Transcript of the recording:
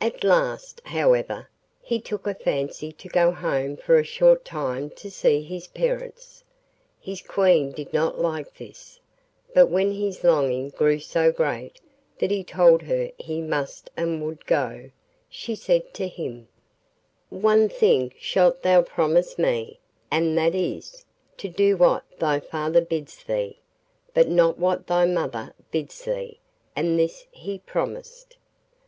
At last, however, he took a fancy to go home for a short time to see his parents. His Queen did not like this, but when his longing grew so great that he told her he must and would go, she said to him: 'One thing shalt thou promise me, and that is, to do what thy father bids thee, but not what thy mother bids thee,' and this he promised.